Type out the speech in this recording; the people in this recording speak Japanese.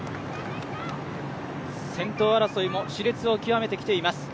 先頭争いもしれつを極めてきています。